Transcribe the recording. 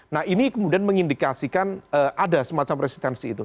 nah ini kemudian mengindikasikan ada semacam resistensi itu